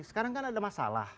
sekarang kan ada masalah